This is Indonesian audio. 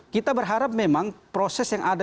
kita berharap memang proses yang ada